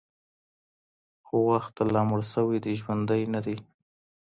خو وخته لا مړ سوى دی ژوندى نـه دئ